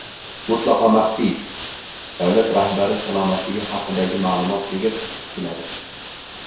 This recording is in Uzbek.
Mutlaqo maxfiy! Davlat rahbari salomatligi haqidagi ma’lumot nega sir tutiladi?